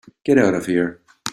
Get out of here.